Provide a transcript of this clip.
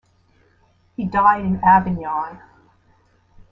He died in Avignon.